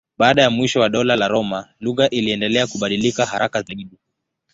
Baada ya mwisho wa Dola la Roma lugha iliendelea kubadilika haraka zaidi.